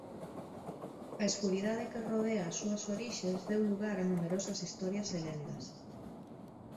A escuridade que rodea as súas orixes deu lugar a numerosas historias e lendas.